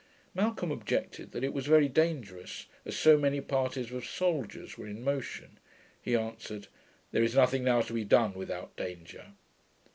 Malcolm objected that it was very dangerous, as so many parties of soldiers were in motion. He answered. 'There is nothing now to be done without danger.'